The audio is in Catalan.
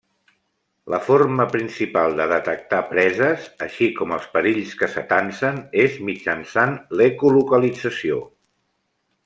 La forma principal de detectar preses, així com els perills que s'atansen, és mitjançant l'ecolocalització.